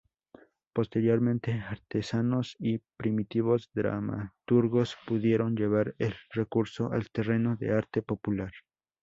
Posteriormente, artesanos y primitivos dramaturgos pudieron llevar el recurso al terreno del arte popular.